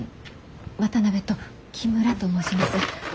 渡辺と木村と申します。